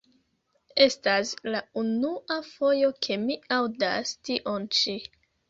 Estas la unua fojo ke mi aŭdas tion ĉi.